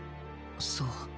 そう。